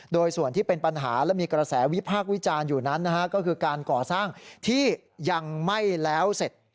โดยส่วนที่เป็นปัญหาและมีกระแสวิพากษ์วิจารณ์อยู่นั้นก็คือการก่อสร้างที่ยังไม่แล้วเสร็จ